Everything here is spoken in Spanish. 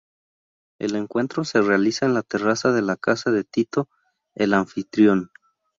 El encuentro se realiza en la terraza de la casa de Tito, el anfitrión.